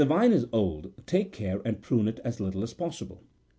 511 Tine is old, take care and prune it as little as possible.